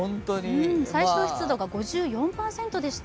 最小湿度が５４％でした。